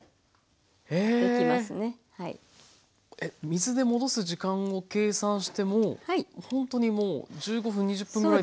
水で戻す時間を計算してもほんとにもう１５分２０分ぐらいで。